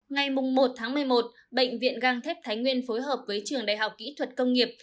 ngày một một mươi một bệnh viện găng thép thái nguyên phối hợp với trường đại học kỹ thuật công nghiệp